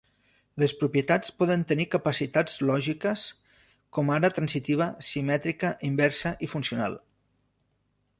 Les propietats poden tenir capacitats lògiques com ara transitiva, simètrica, inversa i funcional.